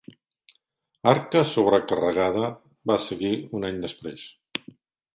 "Arca sobrecarregada" va seguir un any després.